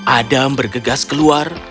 adam bergegas keluar